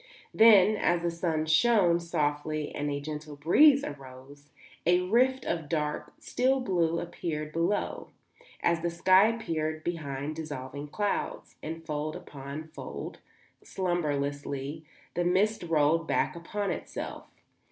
Then, as the sun shone softly and a gentle breeze arose, a rift of dark, still blue appeared below, as the sky appears behind dissolving clouds, and fold upon fold, slumbrously, the mist rolled back upon itself.